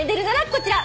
こちら。